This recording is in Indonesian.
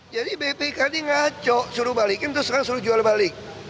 jadi bpk ini ngaco suruh balikin terus sekarang suruh jual balik